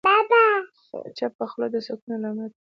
چپه خوله، د سکون علامه ده.